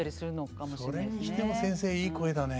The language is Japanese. それにしても先生いい声だね。